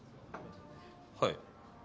はい。